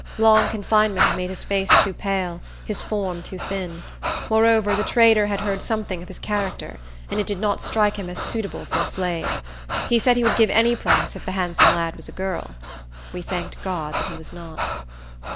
Long confinement had made his face too pale, his form too thin; moreover, the trader had heard something of his character, and it did not strike him as suitable for a slave. He said he would give any price if the handsome lad was a girl. We thanked God that he was not.